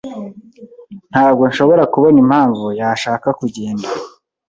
Ntabwo nshobora kubona impamvu yashaka kugenda.